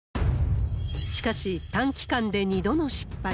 しかし、短期間で２度の失敗。